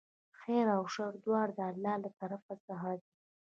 خیر او شر دواړه د الله له طرفه څخه دي.